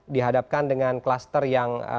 dihadapkan dengan klaster yang